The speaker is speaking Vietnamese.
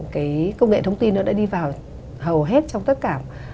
cái công nghệ thông tin nó đã đi vào hầu hết trong tất cả